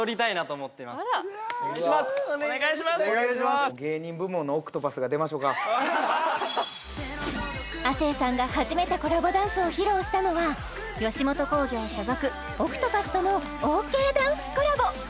スタジオのうわっ亜生さんが初めてコラボダンスを披露したのは吉本興業所属ＯＣＴＰＡＴＨとのＯＫダンスコラボ